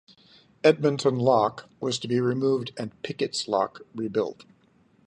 Edmonton Lock was to be removed and Pickett's Lock rebuilt.